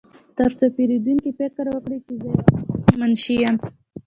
ترڅو پیرودونکي فکر وکړي چې زه یوازې یو منشي یم